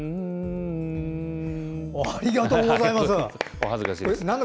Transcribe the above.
ありがとうございます。